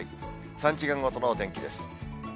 ３時間ごとの天気です。